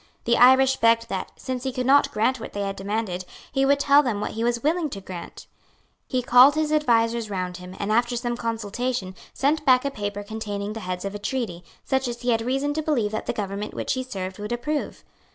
The Irish begged that, since he could not grant what they had demanded, he would tell them what he was willing to grant. He called his advisers round him, and, after some consultation, sent back a paper containing the heads of a treaty, such as he had reason to believe that the government which he served would approve.